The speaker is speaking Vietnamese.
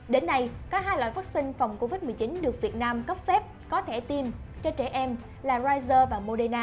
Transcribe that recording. đến nay có hai loại vaccine phòng covid một mươi chín được việt nam cấp phép có thể tiêm cho trẻ em là rezer và moderna